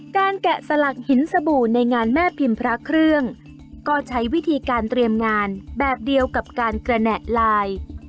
แกะสลักหินสบู่ในงานแม่พิมพ์พระเครื่องก็ใช้วิธีการเตรียมงานแบบเดียวกับการกระแหน่ลาย